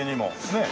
ねえ。